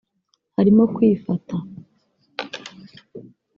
Harimo kwifata